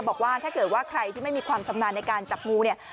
บอกว่าถ้าเกิดว่าใครที่ไม่มีความชำนาญในการจับงูเนี่ย